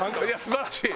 素晴らしい！